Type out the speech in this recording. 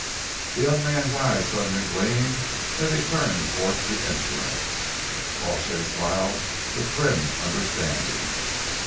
'" The young man's eyes suddenly gleamed as he turned towards the instrument, but Crawshay smiled with grim understanding.